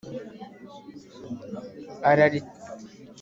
ataretse kuba umunyarwanda